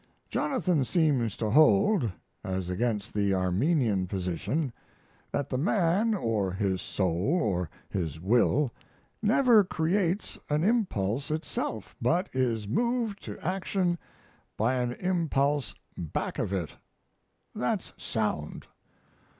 Jonathan seems to hold (as against the Armenian position) that the man (or his soul or his will) never creates an impulse itself, but is moved to action by an impulse back of it. That's sound!